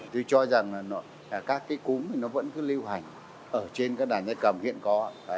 tôi cho rằng là các cái cúng nó vẫn cứ lưu hành ở trên các đàn gia cầm hiện có